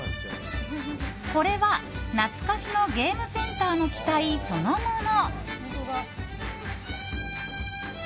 これは懐かしのゲームセンターの機体そのもの！